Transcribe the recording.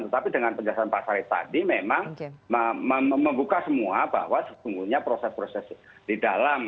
tetapi dengan penjelasan pak sarif tadi memang membuka semua bahwa sesungguhnya proses proses di dalam